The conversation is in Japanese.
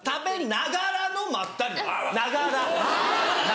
ながら